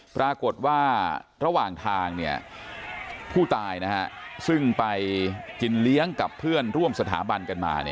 ปรากฏว่าระหว่างทางผู้ตายซึ่งไปกินเลี้ยงกับเพื่อนร่วมสถาบันกันมา